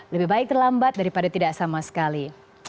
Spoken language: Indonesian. lebih baik terlambat daripada tidak sama sekali